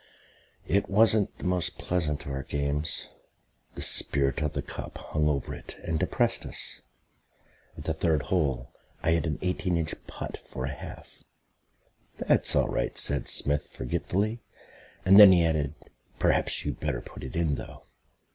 It wasn't the most pleasant of our games. The spirit of the cup hung over it and depressed us. At the third hole I had an eighteen inch putt for a half. "That's all right," said Smith forgetfully; and then added, "Perhaps you'd better put it in, though."